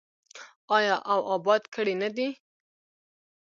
آیا او اباد کړی نه دی؟